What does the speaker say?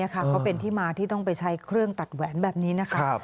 ก็เป็นที่มาที่ต้องไปใช้เครื่องตัดแหวนแบบนี้นะคะ